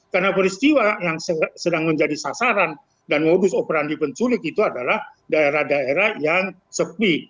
karena peristiwa yang sedang menjadi sasaran dan modus operandi penculik itu adalah daerah daerah yang sepi